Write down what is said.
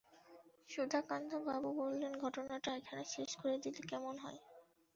সুধাকান্তবাবু বললেন, ঘটনাটা এখানে শেষ করে দিলে কেমন হয়?